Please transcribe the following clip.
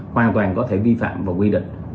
hoàn toàn có thể vi phạm và quy định